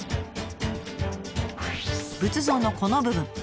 仏像のこの部分。